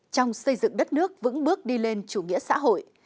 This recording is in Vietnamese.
trong xây dựng đất nước vững bước đi lên chủ nghĩa xã hội